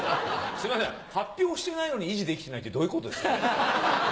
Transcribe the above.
すいません発表してないのにいじできてないってどういうことですかね？